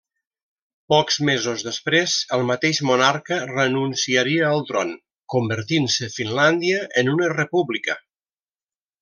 Pocs mesos després, el mateix monarca renunciaria al tron, convertint-se Finlàndia en una república.